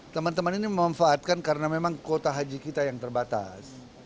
teman teman ini memanfaatkan karena memang kuota haji kita yang terbatas